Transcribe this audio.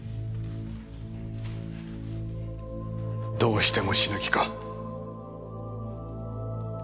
どうしても死ぬ気か。